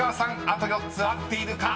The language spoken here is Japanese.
あと４つ合っているか］